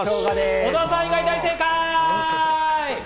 小澤さん以外、大正解！